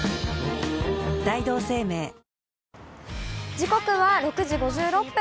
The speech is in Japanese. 時刻は６時５６分。